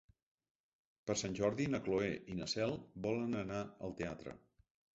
Per Sant Jordi na Cloè i na Cel volen anar al teatre.